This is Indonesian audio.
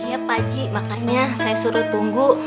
iya pakcik makanya saya suruh tunggu